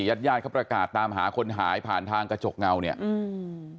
ญาติญาติเขาประกาศตามหาคนหายผ่านทางกระจกเงาเนี่ยอืม